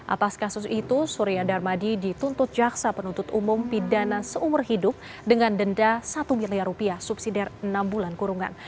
atas kasus itu surya darmadi dituntut jaksa penuntut umum pidana seumur hidup dengan denda satu miliar rupiah subsidi enam bulan kurungan